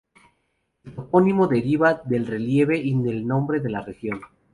El topónimo deriva del relieve y del nombre de la región.